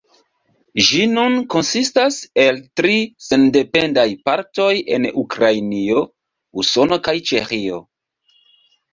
Ĝi nun konsistas el tri sendependaj partoj en Ukrainio, Usono kaj Ĉeĥio.